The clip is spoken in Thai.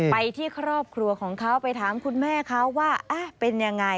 ไปที่ครอบครัวของเขาไปถามคุณแม่เขาว่าเป็นยังไง